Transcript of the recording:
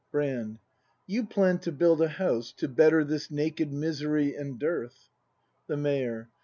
Brand. You plann'd to build a house, to better This naked misery and dearth The Mayor.